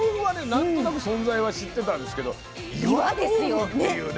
何となく存在は知ってたんですけど岩豆腐っていうね。